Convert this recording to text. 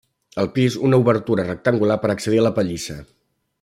Al pis, una obertura rectangular per accedir a la pallissa.